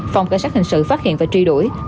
phòng cảnh sát hình sự phát hiện và truy đuổi